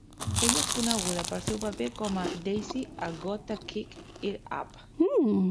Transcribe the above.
Ella és coneguda pel seu paper com a Daisy a Gotta Kick It Up!